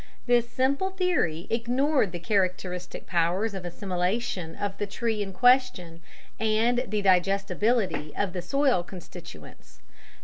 This simple theory ignored the characteristic powers of assimilation of the tree in question and the "digestibility" of the soil constituents.